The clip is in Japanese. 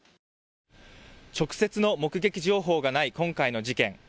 直接の目撃情報がない今回の事件。